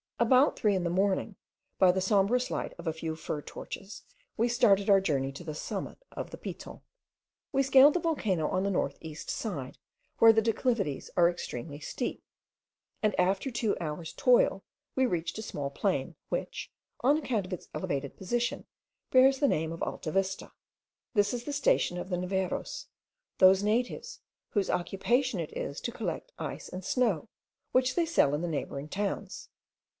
About three in the morning, by the sombrous light of a few fir torches, we started on our journey to the summit of the Piton. We scaled the volcano on the north east side, where the declivities are extremely steep; and after two hours' toil, we reached a small plain, which, on account of its elevated position, bears the name of Alta Vista. This is the station of the neveros, those natives, whose occupation it is to collect ice and snow, which they sell in the neighbouring towns.